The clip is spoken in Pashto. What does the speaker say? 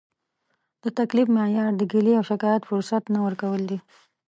د تکلیف معیار د ګیلې او شکایت فرصت نه ورکول دي.